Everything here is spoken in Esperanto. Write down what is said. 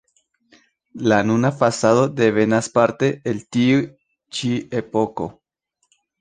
La nuna fasado devenas parte el tiu ĉi epoko.